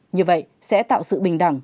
như vậy sẽ tạo sự bình đẳng